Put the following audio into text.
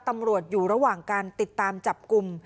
ตำรวจอยู่ระหว่างการติดตามจับกลุ่ม